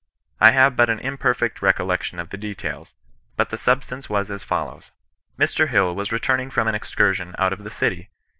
I have but an imperfect recollection of the details, but the sub stance was as follows :— Mr. Hill was returning from an excursion out of the city.